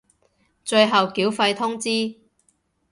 最後繳費通知